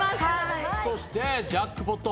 そしてジャックポット。